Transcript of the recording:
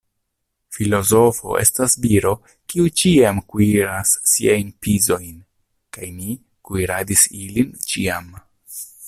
Filozofo estas viro, kiu ĉiam kuiras siajn pizojn, kaj mi kuiradis ilin ĉiam.